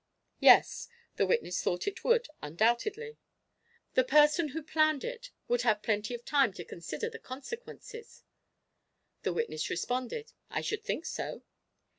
"Yes," the witness thought it would undoubtedly. "The person who planned it would have plenty of time to consider the consequences?" The witness responded: "I should think so."